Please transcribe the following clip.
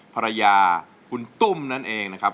ภรรยาคุณตุ้มนั่นเองนะครับ